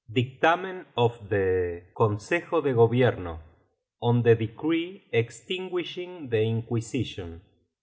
DiCTAMEN OF THE CONSEJO DE GOBIERNO ON THE DeCREE EXTIN GUISHING THE Inquisition.